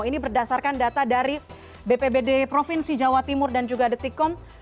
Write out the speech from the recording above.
ini berdasarkan data dari bpbd provinsi jawa timur dan juga detikom